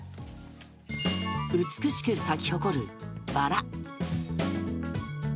美しく咲き誇るバラ。